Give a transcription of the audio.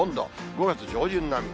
５月上旬並み。